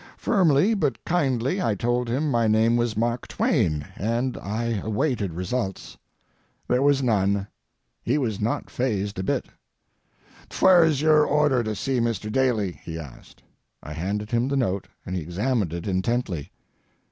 Firmly but kindly I told him my name was Mark Twain, and I awaited results. There was none. He was not fazed a bit. "Phwere's your order to see Mr. Daly?" he asked. I handed him the note, and he examined it intently.